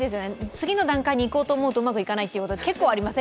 次の段階にいこうと思うとうまくいかないってこと結構ありません？